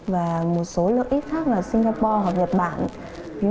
và một số lợi ích khác là singapore hoặc nhật bản